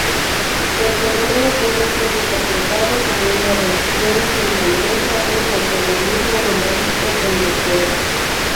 El fenómeno puede ser interpretado como una versión finlandesa del nacionalismo romántico europeo.